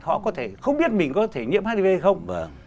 họ không biết mình có thể nhiễm hiv hay không